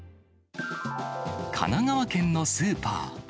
神奈川県のスーパー。